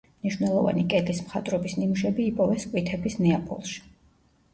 მნიშვნელოვანი კედლის მხატვრობის ნიმუშები იპოვეს სკვითების ნეაპოლში.